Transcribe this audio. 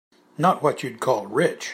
Not what you'd call rich.